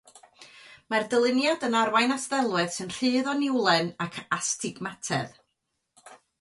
Mae'r dyluniad yn arwain at ddelwedd sy'n rhydd o niwlen ac astigmatedd.